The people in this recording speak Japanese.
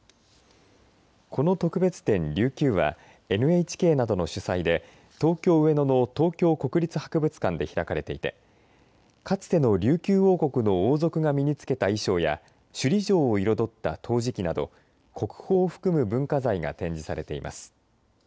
この特別展、琉球はＮＨＫなどの主催で東京、上野の東京国立博物館で開かれていてかつての琉球王国の王族が身につけた衣装や首里城を彩った陶磁器など国宝を含む文化財が展示されています。